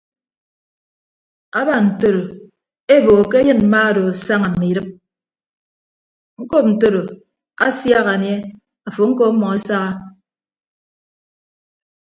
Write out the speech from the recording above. Aba ntoro eboho ke ayịn mma odo asaña mme idịp ñkọp ntodo asiak anie afo ñko ọmmọ esaha.